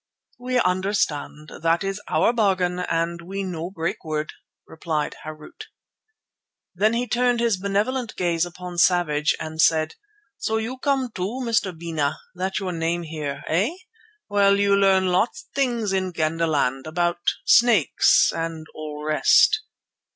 "We understand. That is our bargain and we no break word," replied Harût. Then he turned his benevolent gaze upon Savage, and said: "So you come too, Mr. Bena. That your name here, eh? Well, you learn lot things in Kendahland, about snakes and all rest."